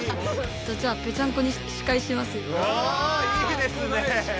いいですね！